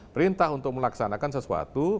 perintah untuk melaksanakan sesuatu